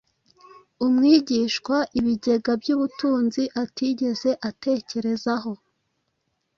umwigishwa ibigega by’ubutunzi atigeze atekerezaho.